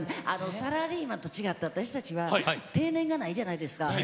サラリーマンと違って私たちは定年がないじゃないですか。